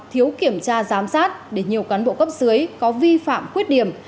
thiếu kiểm tra giám sát để nhiều cán bộ cấp dưới có vi phạm khuyết điểm